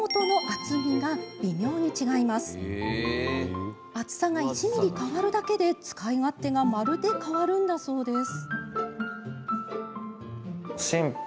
厚さが１ｍｍ変わるだけで使い勝手がまるで変わるんだそうです。